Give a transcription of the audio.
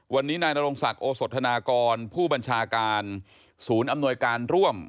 วันนี้นายนรงศักดิ์โอสธนากรผู้บัญชาการศูนย์อำนวยการร่วม